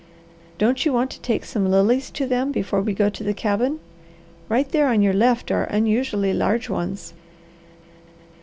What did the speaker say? Don't you want to take some lilies to them before we go to the cabin? Right there on your left are unusually large ones."